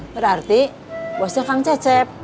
berarti bosnya kang cecep